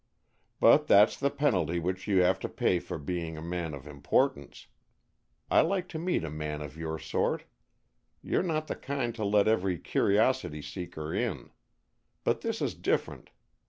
"But that's the penalty which you have to pay for being a man of importance. I like to meet a man of your sort. You're not the kind to let every curiosity seeker in. But this is different.